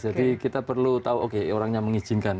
jadi kita perlu tahu oke orangnya mengizinkan